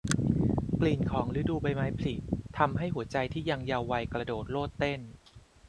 กลิ่นของฤดูใบไม้ผลิทำให้หัวใจที่ยังเยาว์วัยกระโดดโลดเต้น